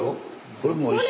これもおいしい。